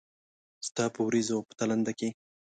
ستا په ورېځو او په تالنده کې